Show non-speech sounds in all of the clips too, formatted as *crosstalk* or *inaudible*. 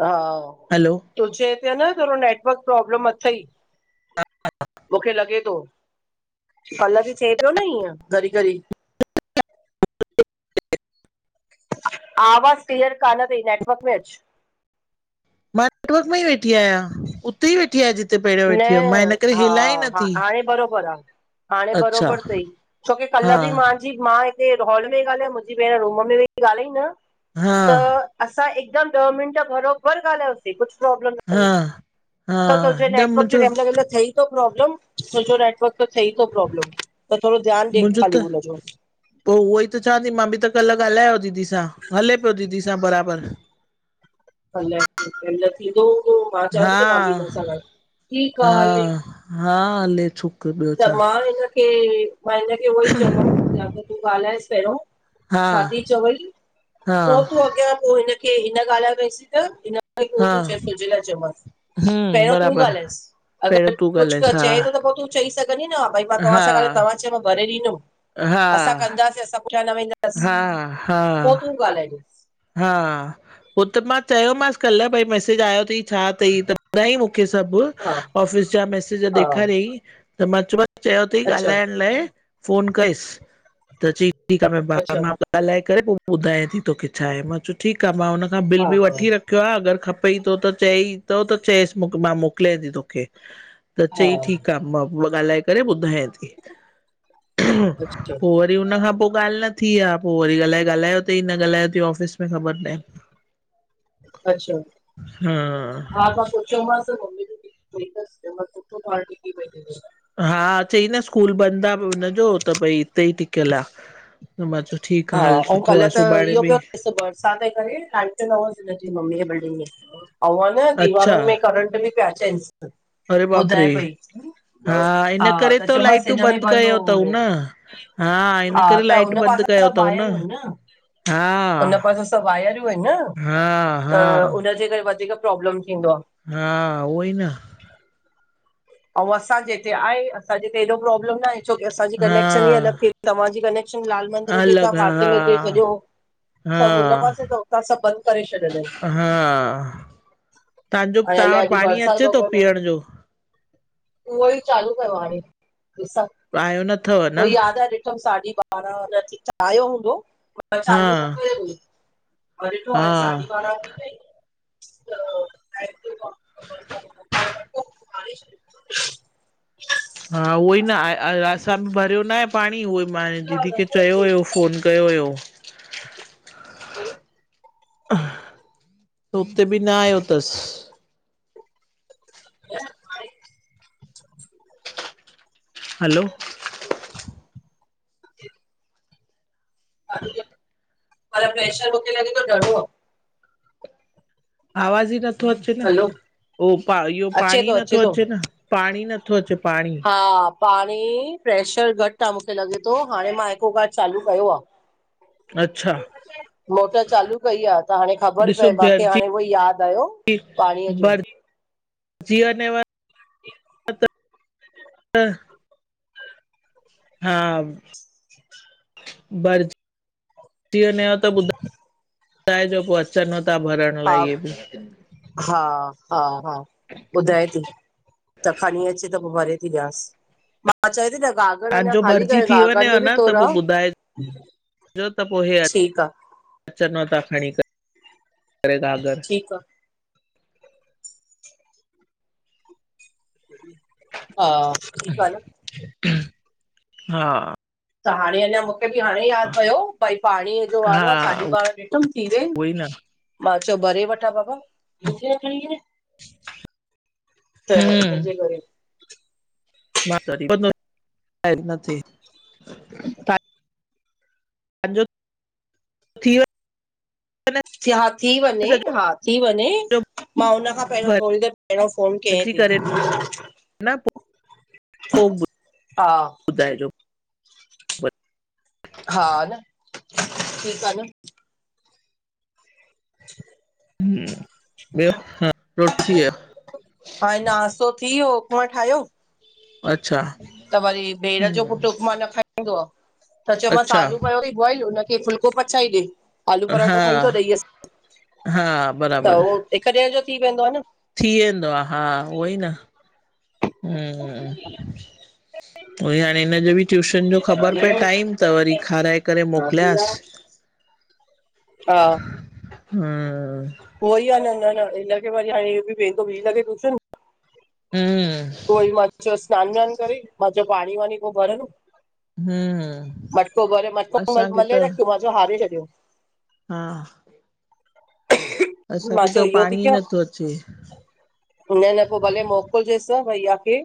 हा हलो तुजे हिते आ न थोड़ो नेटवर्क प्रोब्लम अथई। मूंखे लॻे तो कल्ह बि थिए पियो न इअं घड़ी -घड़ी। आवाज़ क्लीअर कान तई नेटवर्क में अचु। मां नेटवर्क में ई वेठी आहियां, उते ई वेठी आहियां जिते पहिरे न हा हा हाणे बराबबर आ। हाणे अच्छा बराबबि तई छोकी हा कल्ह बि मां जी मां हिते हॉल में ॻाल्हायां मुंहिंजी भेण रूम में वई ॻाल्हाई न हा त असां हिकदम ॾह मिनट बरोबर ॻाल्हायोसीं कुझु प्रोब्लम न हा हु, हा त तुंहिंजे न नेट मुंहिंजो तुहिंजो थियई थो प्रोब्लम छोजो नेटवर्क त थई थो प्रोब्लम त थोरो ध्यान ॾे मुंहिंजो त खाली हुन जो पोइ उहो ई त चवां थी मां बि त कल्ह ॻाल्हायो दीदी सां हले पियो दीदी सां बराबरि। अलाए थींदो हूंदो मां चवां हा थी त मां बि हिन सां ॻालहाए ठीकु आ हा हले हा हले छो? त मां हिनखे मां हिनखे उहो ई चवमसि तूं ॻाल्हाएसि पहिरियों हा छा थी चवई? बि हा पोइ तूं अॻियां पोइ हिनखे हिन ॻाल्हाए वईसीं त इन अलाए हा पोइ कि चए पई तुहिंजे लाइ चयो मांस हम्म पहिरियों तूं बराबरि ॻाल्हाएसि पहिरियों अगरि तूं कुझु ॻाल्हाएसि हा चए थो त पोइ तूं चई सघंदी न त भाई मां तव्हां सां ॻालहाए तव्हां जो भरे ॾंदुमि हा असां हा कंदास, असां पुठियां न वेंदा बस हा हा पोइ तूं ॻाल्हाएज हा, हो त मां चयोमांसि कल्ह भई मैसेज आयो थई छा तई त ॿुधाइ मुंखे सब हा आफिस जा मैंसेज हा ॾेखारई तो मां चयो मांस चयो अथई अच्छा ॻाल्हाइण लाइ फफ़ोन कईसि त च ठीकु आहे अच्छा मां ॻाल्हाए करे पोइ ॿुधायां थी तोखे छाहे मां चयो ठीकु आहे मां हुनखां बिल हा बि वठी रख *unintelligible* अगरि खपेई थो त चएई थो त चएसि मां मोकिलिय थी तोखे त हा चई ठीकु आहे मां उ ॻाल्हाए करे ॿुधायां थी पोइ अच्छा वरी वरी उन खां पोइ ॻाल्हि न थी आहे पोइ वरी अलॻाए ॻाल्हायो अथई न ॻाल्हायो अथई ऑफ़िस में ख़बर न आहे। अच्छा हा मां पूछो मांस त मम्मी *inaudible* चयो मांस सुठो ठाहियो *inaudible* हा चई न स्कूल बंदि आहे हुनजो त भई हिते ई टिकियल आ त मां चयो ठीकु हा आ हल ऐं सुठो कल्ह आहे त सुभाणे इहो बि पियो *unintelligible* मम्मी जे बिल्डिंग में आ *inaudible* न अच्छा दीवारनि में करंट बि पिया अचन अरे बाप रे ॿुधाए पई हा इन करे त चयोमांसि लाइटूं हिन में बंदि भलो कयो अथऊं न। हा हिन करे लाइट बंदि कयो। वायरु अहिंन न हा हुन पासे सब वायरु आहिंन न हा त हा उन हिनजे करे वधीक प्रॉब्लम थींदो आ हा उई न अऊ असांजे हिते आहे असांजे हिते हेएॾो प्रोब्लम नाहे छोकी असांजी हा कनेक्शन ई अलॻि थिए थी तव्हांजी कनेक्शन लाल मंदिर जे तव्हां अलॻि पासे में छॾियो हा हा सभु हुन पासे त हुता सभु बंदि करे छॾींदासि हा तव्हांजो ऐं तव्हां वटि अलाए अॼु पाणी अचे बरसद थो वॻर न पीअण आहे? जो उहो ई चालू कयो हाणे ॾिसां, आयो नथव उहो न ई याद *unintelligible* त साढी ॿारहां न *unintelligible* आयो हूंदो। पर हा चालू न कयल हो, त ॾिठो हाणे हा साढी ॿारांह थी वाई त *unintelligible* *inaudible* हा उहो ई न आहे असां बि भरियो न आहे पाणी उहो मां दीदी खे चयो हुयो फफ़ोन कयो हुयो *inaudible* हुते बि न आयो तस *unintelligible* *inaudible* हलो *unintelligible* पर प्रैशर मूंखे लॻे थो घणो आह। आवाज़ ई नथो अचे न हलो उ इहो अचे पाणी ई थो नथो थो अचे न। पाणी नथो अचे पाणी। हा पाणी प्रैशर घटि आहे मूंखे लॻे थो हाणे मां हिकु कार्ड चालू कयो आह *unintelligible* अच्छा मोटर चालू कई आहे त हाणे ख़बर पए मूंखे हाणे उहो यादि आयो कि पाणीअ जो बड़ जी न *unintelligible* हा *inaudible* भरिजी वञेव त ॿुुधाइजो पोइ अचनव था भरण। हा लाइ इहे बि हा हा हा ॿुधाए थी। त खणी अचे, त पो भरे थी ॾियासि, मां चए थी न गाक *unintelligible* तांजो भरजी थी वञेव न त पो ॿुधाए, जो त पो हे ठीकु आहे अचनव था खणी करे, करे गागर ठीकु आहे हा, ठीक आ न हा त हाणे अञा, मुं छो कि हाणे याद पयो, भई पाणीअ जो हा वारो आह। साढी उहो ॿारांह ॾिठम, थी वया आहिनि ई न मां चयो, भरे वठां बाबा *unintelligible* त, हिन जे हम्म करे मां त वरी, *unintelligible* नथी *inaudible* अॼो त, थी वियो *unintelligible* न सिहा थी वञे, हा, थी वञे सॼो मां हुन खां पेहरियों, थोड़ी देर पेहरियों फोन केयांएं भरिजी पी करे न पो, पो, हा ॿुधाएॼो *unintelligible* हा न, ठीक आ न छ *unintelligible* हम्म, ॿियो, हा, रोटी थी वियव? हाए, नाास्तो थी वियो, उपमा ठाहियो। अच्छा। त वरी भेंणं जो पुट उपमा न खाईंदो आह, त चयोमास अच्छा आलू पयो तई बाइल, हुनंखे फुलक पो पचाई ॾे, आलू हा पराठो खाईंदो ॾहीअ सां, हा त बराबरि होह हिकु ॾींह जो थी वेंदो आह न थी वेंदो आह हा, उहो ई न हम्म, त उइ हाणे हिन जो ॿि ट्यूशन जो ख़बर पए टांइम, त वरी खाराए करे मोकलयांस्। हा। हम्म उओइ आ न, न न हिनखे वरी हाणे इयो ॿी वेंदो ॿी लॻे ट्यूशन। हम्म चोस्, सिनान- विनान करे, मां चयो पाणीं वाणीं पो भरनि हम्म मटको भरे मटको असांखे मथे मले रखियो, मां चयो हारे रख्यनि हां मां असांखे त हो चयो इहो थी पांणीं कयां नथो अचे। न न पो भले मोकुलजेस भैया खे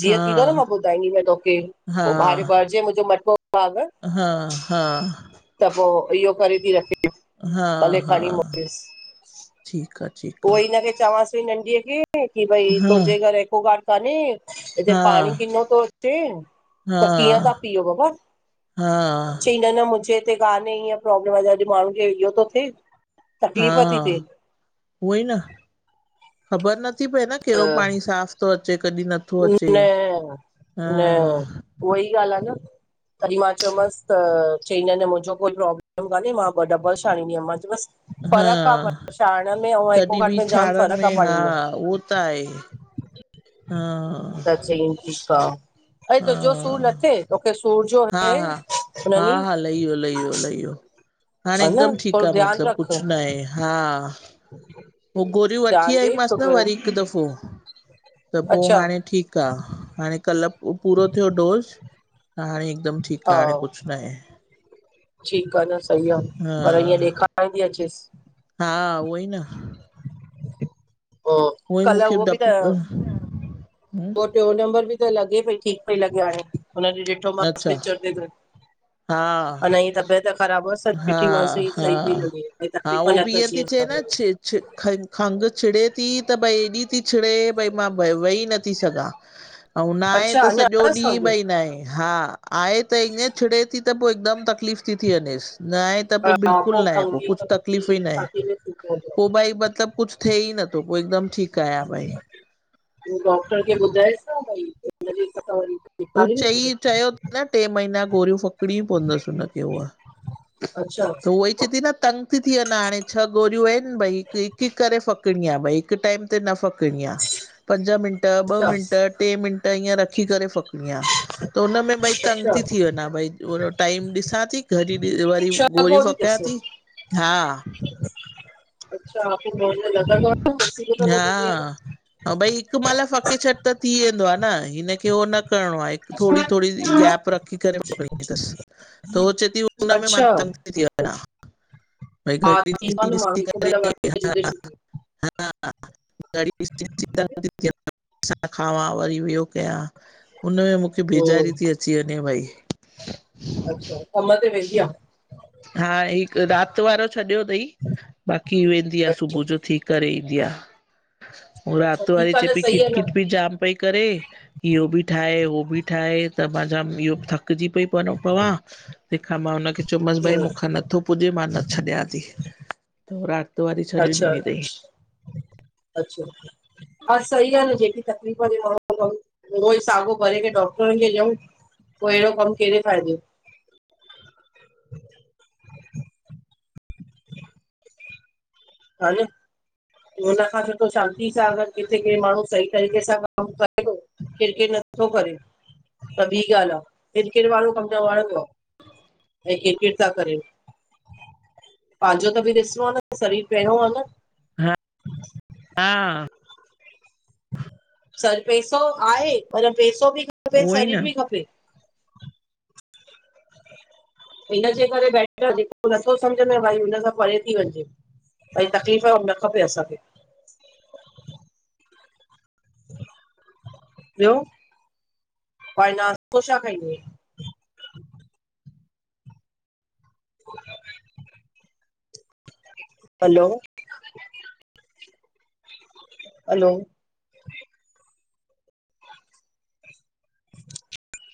जीअं थींदो न हा मां ॿुधाईंदी माए तोखे हा पो ॿाहिर भंरजयं मुंहिंजो मटको गांगरं हा हा त पो इहो करे ती रखें हा हा ॾिस ठीकु आ ठीकु उहो ई हिन खे चवांस पईं नंढीअं खे की भई आ तूंजे घर एकोगार्ड काने हिते हा पाणी किन्नो थो अचे हा त कीअं ता हा पीओ बबा हा चई न न, मुंझें हिते कान्हे ईंय प्रोब्लम अॼ माण्हू खे इहो तो थे हा उहई न ख़बर नथी पए न केड़ो पाणीं त साफ़ तो अचे कॾहिं न न न उहई ॻाल्ह आहे न तॾहिं मां चयोमांस त चईं न न मुंझों कोई प्रोब्लम कान्हे मां ॿ डबल छाणींदीं हुअम मां चयोमास हा फ़र्क़ आ पर छाएण में ओं एक्कोगार्ड में जाम फ़र्क़ आ पाणी में। ताएं हां त चई ठीक आ अ तुंहिंजो सूर लथे? तोखे सूर जो हुयई उन्हें ॾी। लईयो लईयो लईयो हाणे हा न हिकदम ठीक थोरो आ ध्यानु मतलब रख कुछ न आहे हा। पो गोरियूं वठी ध्यानु ॾे आईमस न छोकी वरी हिक दफ़ो त पो अच्छा हाणे ठीक क आ हाणे कल पूरो थियो डोज़ हाणे ठीक हा आ, हाणे कुछ न आहे। ठीक आ न सही आ पर हिय हा, ॾेखार *unintelligible* हा उई न उहोई कल्ह मूंखे उहो बि त डप ॿियो नंबर बि त लॻे पई ठीक पई लॻे हाणे हुन ॾिठो मास अच्छा, पिचर ते हा *unintelligible* तबियत ख़राब हुअस हा, ॾिठी मास हा सही पई लॻे कोई तकलीफ़ नथस जीअं छि खं खंघ छिड़े थी त भई एॾी थी छिड़े भई मां वेई नथी थी सघां अउ न आहे अच्छा त अञा सॼो अथसि ॾींह खंघि बई न आहे हा। आहे त ईअं छिड़े थी त पो हिक दम तकलीफ़ थी थी वञेसि न आहे त पो हा बिल्कुल पोइ न आहे खंघि कुछ खंघि तकलीफ़ ई न आहे छाती में सूर पवंदो पो भई मतलब कुछ थ्ये ई नथो पो हिकदम ठीक आहियां भई। डॉक्टर खे ॿुधाएस भई वदी वनयई उ चई चयो न टे महीना गोरियूं फकिड़ियू पवंदस हुनखे हूहा अच्छा चेती न तंग थी थी वन्या हाणे छह गोरियूं आहिन भई हिक हिक करे फकणी आ भई। हिक टाइम ते न फकणी आ पंज मिंट ॿ अच्छा मिंट टे मिंट ईअं रखी करे फ़क त हुनमें भई तंग अच्छा थी वञा भई ओडो टाइम ॾिसां थी। वरी भी वरी भी छह गोरियूं फकियां ॾिस थी हा अच्छा पो नार्मल लॻदो आ न *unintelligible* ह भई हिक महिल फ़के छॾ त थी वेंदो आ हिनखे हो न करिणो आहे। थोड़ी थोड़ी गैप रखी करे पकड़ी थस त हुअ चए थी हुनमें मां अच्छा तंग *unintelligible* जिते छ हा ग *unintelligible* खावां वरी ॿियो कयां हुन बेज़ारी हम्म थी अची वञे भई अच्छा कम ते वेंदी हा हिक रात वारो छॾियो थई बाक़ी वेंदी आ आहे सुबुह अच्छा जो थी करे ईंदी आ। उ अच्छा रात वारी ठीकु चए आहे न पेई सही खिट आहे न खिट भी जाम पई करे इहो भी ठाहे उहो भी ठाहे त मां जाम इहो थकजी पई पवां। पवां तहिंखां मां हुनखे चयोमांस भई हम्म मूखां नथो पुॼे मां त छॾियां थी। त रात वारी छॾे अच्छा ॾिनी अथई अच्छा हा सही ॻाल जेकी तकलीफ़ हुजे माणहूं खपन उहो ई साॻियो भरे करे डॉक्टरन खे ॾियऊं पो एहिड़ो कम कहिड़े फ़ाइदो? हल हुन खां त सुठो शांती सां अगर किथे के माण्हू सही तरीक़े सां कम करे थो किर किर नथो करे त ॿी ॻाल आ, किर किर वारो कम न वणंदो आ। ऐ किट किट था करयो, पांहजो त बि ॾिसणो आ न सरीर पेणो हलन हा हा सर पैसो आहे, पर पैसो भी खपे ई शरीर न भी खपे इनजे करे बै जेको नथो समझ में भाई हुन सां परे थी वञजे ऐं तकलीफ़ न खपे असांखे ॿियो भाई नास्तो छा खाईंदी आईं हलो हलो *inaudible*